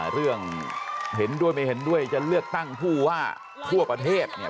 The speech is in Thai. เรื่องเห็นด้วยไม่เห็นด้วยจะเลือกตั้งผู้ว่าทั่วประเทศเนี่ย